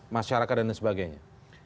masyarakat dan sebagainya